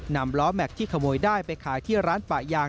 นำล้อแม็กซ์ที่ขโมยได้ไปขายที่ร้านป่ายาง